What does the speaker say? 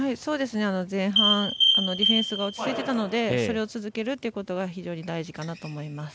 前半、ディフェンスが落ち着いていたいのでそれを続けるということは非常に大事かなと思います。